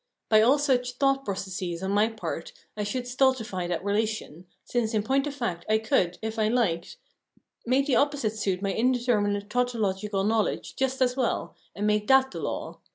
By all such thought processes on my part I should stultify that relation, since in point of fact I could, if I hked, make the oppo site suit my indeterminate tautological knowledge just as well, and make that the law.